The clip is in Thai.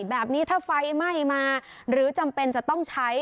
แบบนี้ถ้าไฟไหม้มาหรือจำเป็นจะต้องใช้